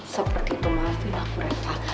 seperti itu maafin aku reva